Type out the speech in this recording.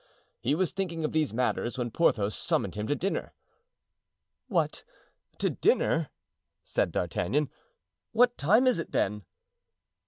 He was thinking of these matters when Porthos summoned him to dinner. "What! to dinner?" said D'Artagnan. "What time is it, then?"